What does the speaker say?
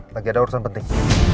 lagi ada urusan penting